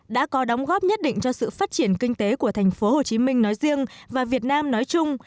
đã có đóng góp nhất định cho sự phát triển kinh tế của thành phố hồ chí minh nói riêng và việt nam nói chung